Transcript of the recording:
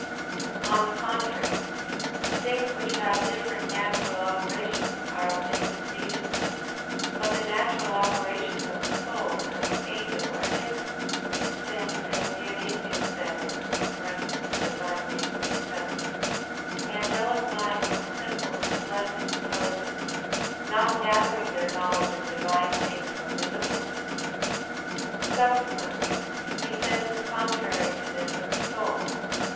On the contrary, Things which have different natural operations are of different species. But the natural operations of the soul and of an angel are different; since, as Dionysius says (Div. Nom. vii), "Angelic minds have simple and blessed intelligence, not gathering their knowledge of Divine things from visible things." Subsequently he says the contrary to this of the soul.